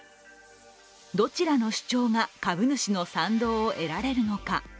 どちらの主張が株主の賛同を得られるのか。